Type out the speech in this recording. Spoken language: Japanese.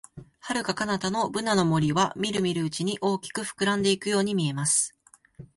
遥か彼方のブナの森は、みるみるうちに大きく膨らんでいくように見えます。